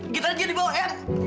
gitar aja dibawa eyang